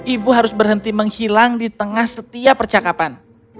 ibu harus berhenti menghilang di tengah setiap percakapan